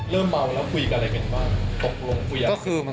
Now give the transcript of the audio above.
เริ่มเมาแล้วคุยกันอะไรแบบนี้บ้าง